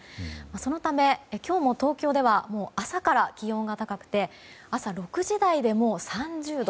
そのため、今日も東京では朝から気温が高くて朝６時台でも３０度。